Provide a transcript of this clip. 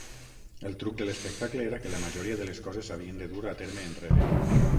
El truc de l'espectacle era que la majoria de les coses s'havien de dur a terme enrere.